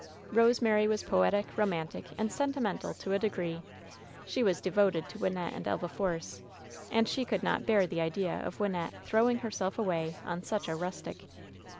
Rosemary was poetic, romantic and sentimental to a degree. She was devoted to Wynnette and Elva Force ; and she could not bear the idea of Wynnette "throwing herself away^' on such a rustic.